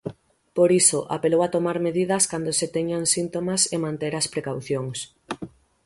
Por iso, apelou a tomar medidas cando se teñan síntomas e manter as precaucións.